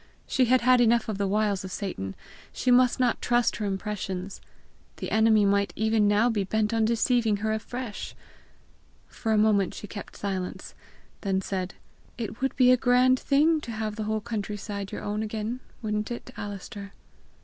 She had had enough of the wiles of Satan: she must not trust her impressions! The enemy might even now be bent on deceiving her afresh! For a moment she kept silence, then said: "It would be a grand thing to have the whole country side your own again wouldn't it, Alister?"